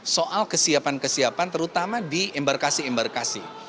soal kesiapan kesiapan terutama di embarkasi embarkasi